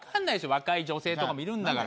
若い女性とかもいるんだから。